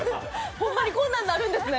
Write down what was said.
ホンマにこんなんなるんですね。